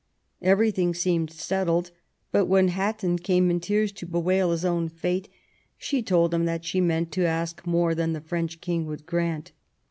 Everything seemed settled; but when Hatton came in tears to bewail his own fate, she told him that she meant to ask more than the French King would grant.